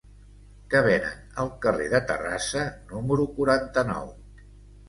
Què venen al carrer de Terrassa número quaranta-nou?